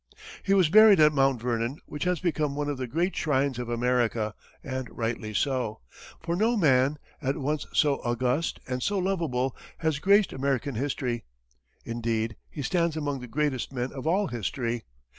He was buried at Mount Vernon, which has become one of the great shrines of America, and rightly so. For no man, at once so august and so lovable, has graced American history. Indeed, he stands among the greatest men of all history.